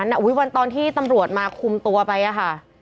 บ้านแถวนั้นอ่ะอุ้ยวันตอนที่ตำรวจมาคุมตัวไปอ่ะค่ะ